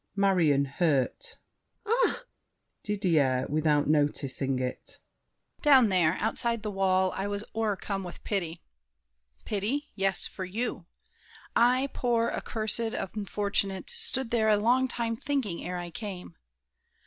MARION (hurt). Ah! DIDIER (without noticing it). Down there, outside the wall, I was o'ercome with pity. Pity? yes, For you! I, poor, accursed, unfortunate, Stood there a long time thinking, ere I came!